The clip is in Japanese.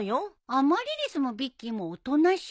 アマリリスもビッキーもおとなしいよ。